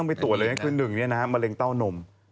ผู้หญิงคือหนึ่งมะเร็งเต้านม